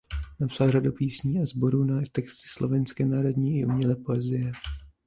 Napsal řadu písní a sborů na texty slovinské národní i umělé poezie.